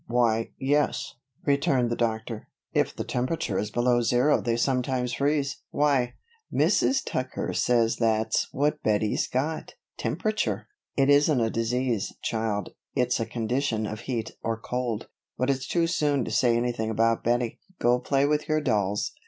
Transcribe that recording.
"Why, yes," returned the Doctor. "If the temperature is below zero they sometimes freeze. Why?" "Mrs. Tucker says that's what Bettie's got temperature." "It isn't a disease, child. It's a condition of heat or cold. But it's too soon to say anything about Bettie go play with your dolls."